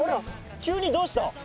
急にどうした？